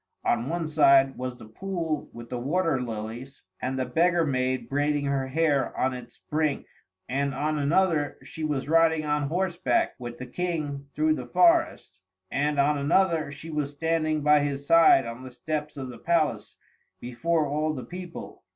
On one side was the pool with the water lilies and the beggar maid braiding her hair on its brink. And on another she was riding on horseback with the King through the forest. And on another she was standing by his side on the steps of the palace before all the people.